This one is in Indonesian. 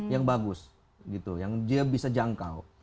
yang bagus gitu yang dia bisa jangkau